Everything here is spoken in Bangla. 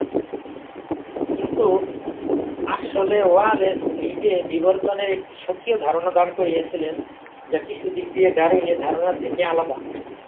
কিন্তু আসলে ওয়ালেস নিজে বিবর্তনের একটি স্বকীয় ধারণা দাঁড় করিয়েছিলেন যা কিছু দিক দিয়ে ডারউইনের ধারণার থেকে আলাদা।